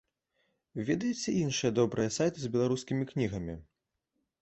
Ведаеце іншыя добрыя сайты з беларускімі кнігамі?